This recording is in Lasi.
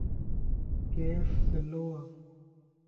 گيس سلووَ